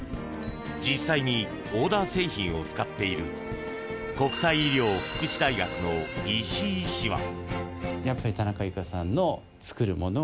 実際にオーダー製品を使っている国際医療福祉大学の石井医師は。